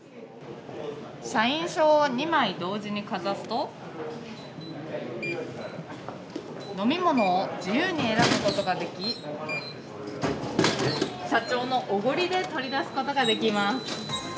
社員証を２枚同時にかざすと、飲み物を自由に選ぶことができ、社長のおごりで取り出すことができます。